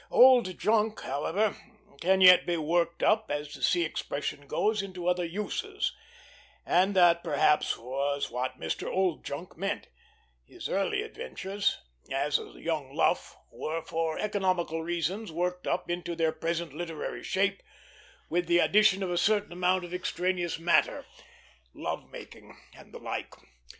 Old junk, however, can yet be "worked up," as the sea expression goes, into other uses, and that perhaps was what Mr. Oldjunk meant; his early adventures as a young "luff" were, for economical reasons, worked up into their present literary shape, with the addition of a certain amount of extraneous matter love making, and the like.